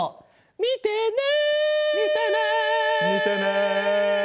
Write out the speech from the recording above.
見てね。